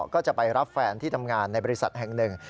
ก็จะไปรับแฟนที่ทำงานในบริษัทแห่งหนึ่ง